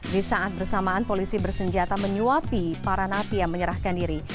di saat bersamaan polisi bersenjata menyuapi para napi yang menyerahkan diri